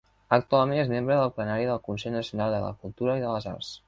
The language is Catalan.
Actualment és membre del plenari del Consell Nacional de la Cultura i de les Arts.